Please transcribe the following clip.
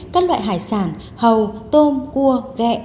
các loại hải sản hầu tôm cua gẹ